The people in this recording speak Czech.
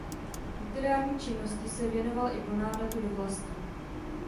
Literární činnosti se věnoval i po návratu do vlasti.